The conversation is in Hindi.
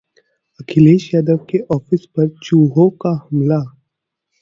अखिलेश यादव के ऑफिस पर चूहों का हमला...